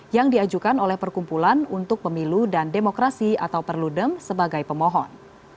yang diajukan oleh perkumpulan untuk pemilu dan demokrasi atau perludem sebagai pemohon